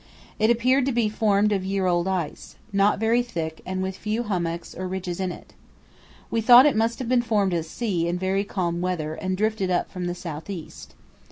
It appeared to be formed of year old ice, not very thick and with very few hummocks or ridges in it. We thought it must have been formed at sea in very calm weather and drifted up from the south east.